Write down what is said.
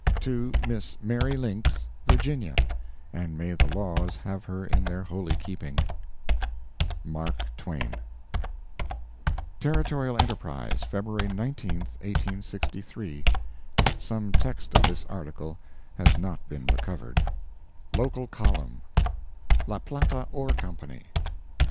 To Miss Mary Links, Virginia (and may the laws have her in their holy keeping). MARK TWAIN Territorial Enterprise, February 19, 1863 [some text of this article has not been recovered] LOCAL COLUMN [LA PLATA ORE COMPANY.